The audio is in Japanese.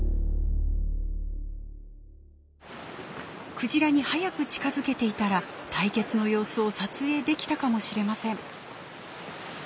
クジラに早く近づけていたら対決の様子を撮影できたかもしれません。